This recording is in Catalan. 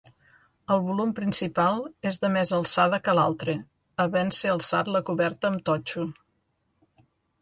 El volum principal és de més alçada que l'altre, havent-se alçat la coberta amb totxo.